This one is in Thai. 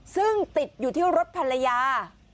ซึ่งติดอยู่ที่รถภรรยา